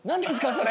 それ。